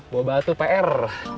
mau batu pr